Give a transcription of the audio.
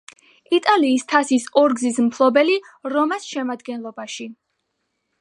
იტალიის თასის ორგზის მფლობელი „რომას“ შემადგენლობაში.